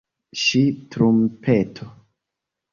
ŝtrumpeto